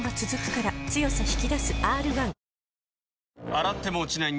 洗っても落ちない